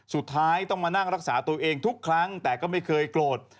สุดท้ายต้องมานั่งรักษาตัวเองทุกครั้งแต่ก็ไม่เคยโกรธ